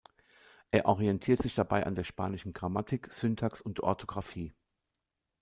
Er orientiert sich dabei an der spanischen Grammatik, Syntax und Orthografie.